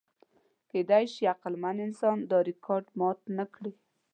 کېدی شي عقلمن انسان دا ریکارډ مات نهکړي.